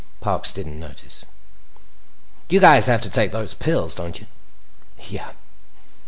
Parks didn't notice. "You guys have to take those pills, don't you?" "Yeah."